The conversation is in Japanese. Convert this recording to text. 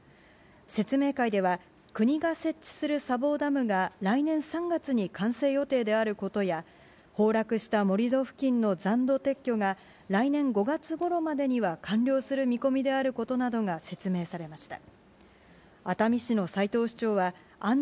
説明会では、国が設置する砂防ダムが来年３月に完成予定であることや、崩落した盛り土付近の残土撤去が来年５月ごろまでには完了する見込みであることなどが説明されました。